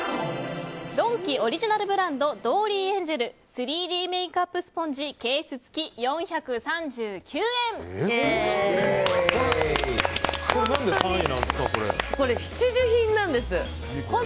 ドンキオリジナルブランドドーリーエンジェル３Ｄメイクアップスポンジケース付何で３位なんですか？